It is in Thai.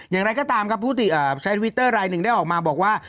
อย่างไรก็ตามครับผู้ใช้ทวิตเตอร์รายหนึ่งได้ออกมาบอกว่า